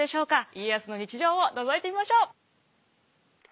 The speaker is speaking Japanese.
家康の日常をのぞいてみましょう。